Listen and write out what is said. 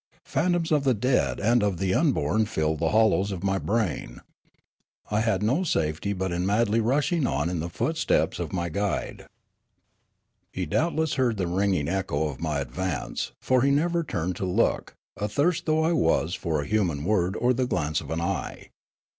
Phan toms of the dead and of the unborn filled the hollows of my brain. I had no safety but in madly rushing on in the footsteps of my guide. He doubtless heard the ringing echo of ni}' advance, for he never turned to look, athirst though I was for a human word or the glance of an eye.